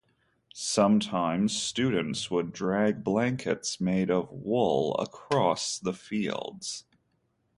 Sometimes students would drag blankets made of wool across the fields.